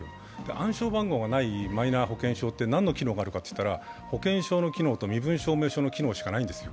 暗証番号がないマイナ保険証はなんの機能があるかというと保険証の機能と身分証明書の機能しかないんですよ。